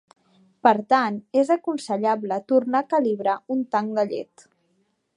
Per tant, és aconsellable tornar a calibrar un tanc de llet.